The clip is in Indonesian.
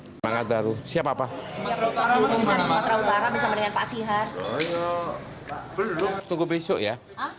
tunggu besok ya